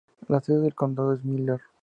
La sede del condado es Miller.